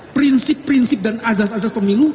prinsip prinsip dan azas azas pemilu